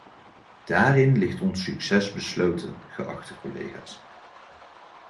Daarin ligt ons succes besloten, geachte collega's.